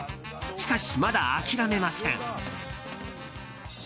しかしまだ諦めません。